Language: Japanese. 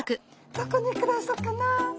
ここで暮らそうかな